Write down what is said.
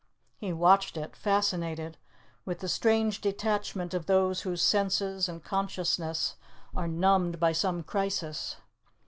He watched it, fascinated, with the strange detachment of those whose senses and consciousness are numbed by some crisis.